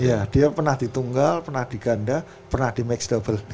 ya dia pernah di tunggal pernah di ganda pernah di max double